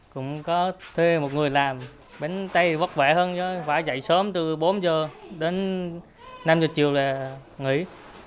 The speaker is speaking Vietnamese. cũng có thuê một người làm bánh tay vất vẻ hơn phải dậy sớm từ bốn giờ đến năm giờ chiều là nghỉ